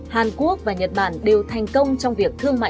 hàn quốc và nhật bản đều thành công trong việc thương mại